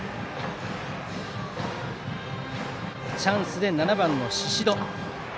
チャンスで７番、宍戸。